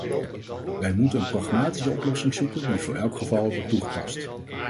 Wij moeten een pragmatische oplossing zoeken die voor elk geval wordt aangepast.